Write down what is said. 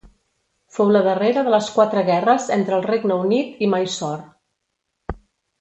Fou la darrera de les quatre guerres entre el Regne Unit i Mysore.